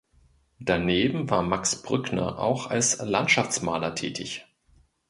Daneben war Max Brückner auch als Landschaftsmaler tätig.